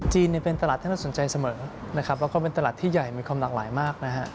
จีนเป็นตลาดที่เราสนใจเสมอและเป็นตลาดที่ใหญ่มีความหลากหลายมาก